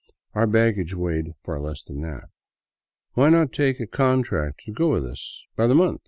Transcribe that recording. Our baggage weighed far less than that. Why not take a contract to go with us by the month